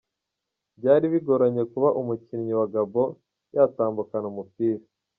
Byari bigoranye kuba umukinnyi wa Gabon yatambukana umupira.